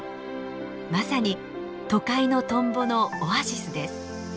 まさに都会のトンボのオアシスです。